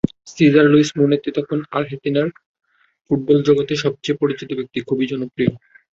Caesar Luis Menotti তখন আর্হেন্তিনার football জগতের সবচেয়ে পরিচিত ব্যক্তিত্ব, খুবই জনপ্রিয়।